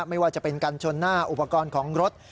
ไม่ว่าจะเป็นกันชนหน้าอุปกรณ์ของรถ